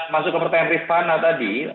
masuk ke pertanyaan rifana tadi